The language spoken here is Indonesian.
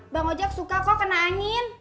bang ojek suka kok kena angin